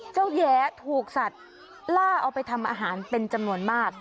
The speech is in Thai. แย้ถูกสัตว์ล่าเอาไปทำอาหารเป็นจำนวนมาก